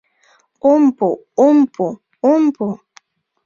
Ом пу, ом пу, ом пу!